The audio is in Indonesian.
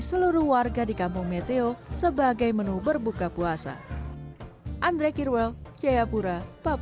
seluruh warga di kampung meteo sebagai menu berbuka puasa